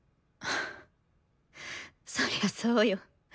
そりゃそうよ。